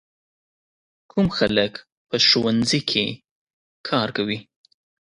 کوم خلک په ښوونځي کې کار کوي؟